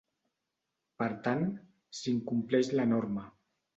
Per tant, s’incompleix la norma.